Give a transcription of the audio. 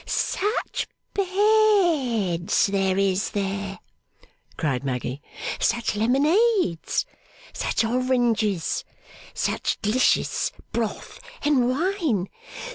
'Such beds there is there!' cried Maggy. 'Such lemonades! Such oranges! Such d'licious broth and wine!